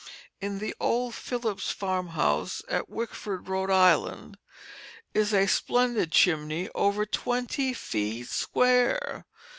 In the old Phillips farmhouse at Wickford, Rhode Island, is a splendid chimney over twenty feet square.